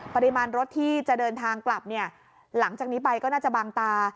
ปริมาณรถที่จะเดินทางกลับเนี่ยหลังจากนี้ไปก็น่าจะบางตา